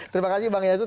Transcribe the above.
terima kasih bang yasud